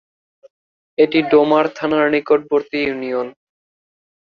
এটি ডোমার থানার নিকটবর্তী ইউনিয়ন।